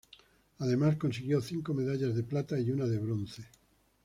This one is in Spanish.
Además consiguió cinco medallas de plata y una de bronce.